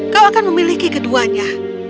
kau akan memiliki keduanya